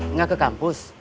enggak ke kampus